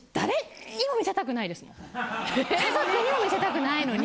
家族にも見せたくないのに。